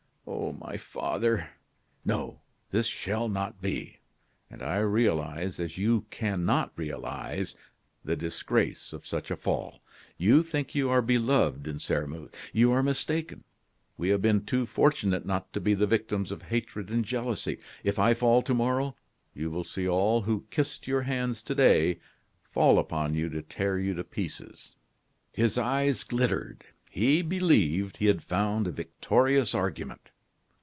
"Oh, my father!" "No! this shall not be. And I realize as you cannot realize the disgrace of such a fall. You think you are beloved in Sairmeuse? You are mistaken. We have been too fortunate not to be the victims of hatred and jealousy. If I fall to morrow, you will see all who kissed your hands to day fall upon you to tear you to pieces!" His eye glittered; he believed he had found a victorious argument.